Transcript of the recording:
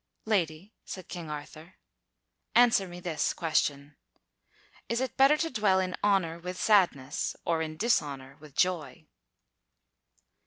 "Lady," said King Arthur, "answer me this question: is it better to dwell in honor with sadness or in dishonor with joy?"